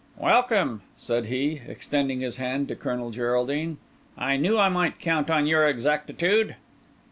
"Welcome," said he, extending his hand to Colonel Geraldine. "I knew I might count on your exactitude."